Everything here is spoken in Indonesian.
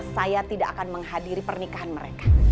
saya tidak akan menghadiri pernikahan mereka